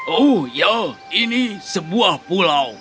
oh ya ini sebuah pulau